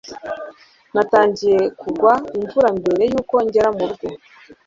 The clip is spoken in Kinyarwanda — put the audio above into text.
Natangiye kugwa imvura mbere yuko ngera mu rugo